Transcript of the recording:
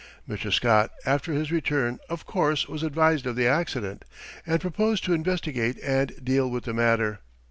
Mr. Scott after his return of course was advised of the accident, and proposed to investigate and deal with the matter.